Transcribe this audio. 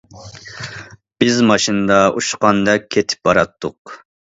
بىز ماشىنىدا ئۇچقاندەك كېتىپ باراتتۇق.